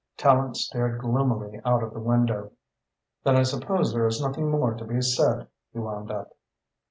Tallente stared gloomily out of the window. "Then I suppose there is nothing more to be said," he wound up.